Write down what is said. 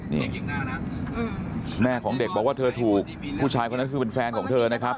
นี่แม่ของเด็กบอกว่าเธอถูกผู้ชายคนนั้นซึ่งเป็นแฟนของเธอนะครับ